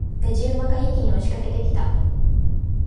野次馬が一気に押し掛けてきた。